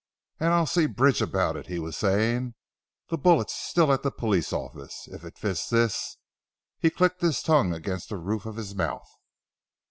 "And I'll see Bridge about it," he was saying, "the bullet's still at the police office. If it fits this " he clicked his tongue against the roof of his mouth.